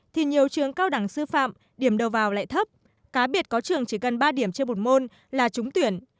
thì nhiều trường cao đẳng sư phạm điểm đầu vào lại thấp cá biệt có trường chỉ cần ba điểm trên một môn là trúng tuyển